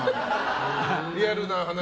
リアルな話。